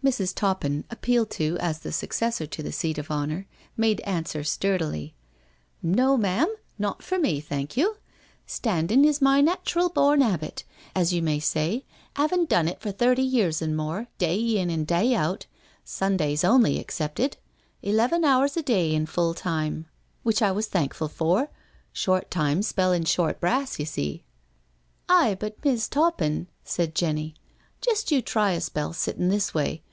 Mrs. ToppiUy appealed to as the successor to the seat of honour, made answer sturdily: " No, mam, not for me, thank you. Standin' is my natural bom habit, as you may say, havin' done it for thirty years an* more, day in an* day out, Sundays only excepted — eleven hours a day in full time^ which I was thankful for— short time spellin' short brass, ye see* " Aye, but Miss* Toppin," said Jenny, " just you try a spell sitting this way.